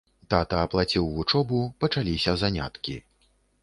Тата аплаціў вучобу, пачаліся заняткі.